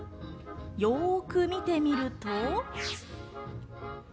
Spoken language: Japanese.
よく見てみると。